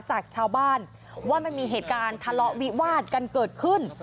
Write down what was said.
จากชาวบ้านว่ามันมีเหตุการณ์ทะเลาะวิวาดกันเกิดขึ้น